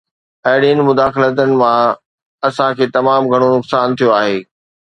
اهڙين مداخلتن مان اسان کي تمام گهڻو نقصان ٿيو آهي.